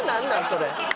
それ。